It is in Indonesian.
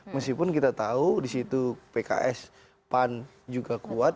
meskipun kita tahu disitu pks pan juga kuat